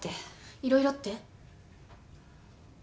いろいろって？